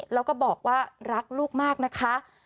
แล้วก็บอกว่ารักลูกมากนะคะ